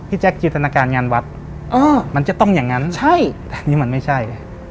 พี่แจ็คจิตนาการงานวัดมันจะต้องอย่างนั้นแต่นี่มันไม่ใช่